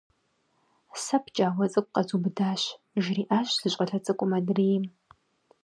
Сэ пкӏауэ цӏыкӏу къзубыдащ! – жриӏащ зы щӏалэ цӏыкӏум адрейм.